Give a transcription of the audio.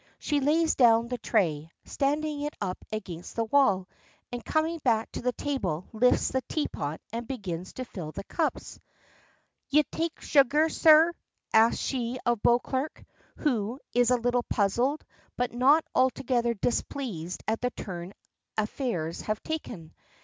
She lays down the tray, standing it up against the wall, and coming back to the table lifts the teapot and begins to fill the cups. "Ye take sugar, sir?" asks she of Beauclerk, who is a little puzzled, but not altogether displeased at the turn affairs have taken.